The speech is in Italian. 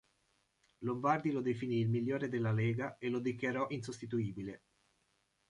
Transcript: Lombardi lo definì "il migliore della lega" e lo dichiarò insostituibile.